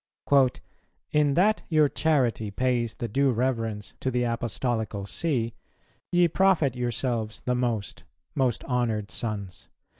"In that your charity pays the due reverence to the Apostolical See, ye profit yourselves the most, most honoured sons.